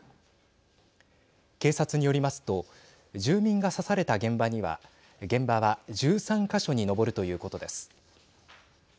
警察によりますと住民が刺された現場は１３か所に上るということです。